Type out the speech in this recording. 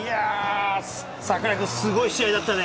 櫻井君、すごい試合だったね。